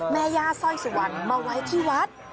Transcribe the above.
แม่ย่าสร้อยสุวรรณมาไว้ที่วัด